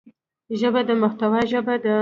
ژبه د محتوا ژبه ده